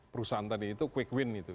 perusahaan tadi itu quick win itu